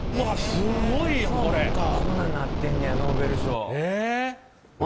こんなんなってんねやノーベル賞。